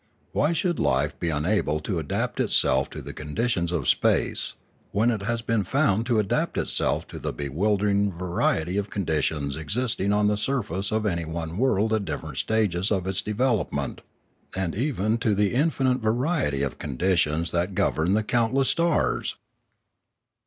Why should life be unable to adapt itself to the conditions of space, when it has been found to adapt itself to the bewildering variety of conditions existing on the sur face of any one world at different stages of its develop ment, and even to the infinite variety of conditions that govern the countless stars